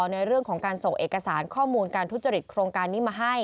ในเรื่องของการส่งเอกสารข้อมูลการทุจริตโครงการนี้มาให้